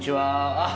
あっ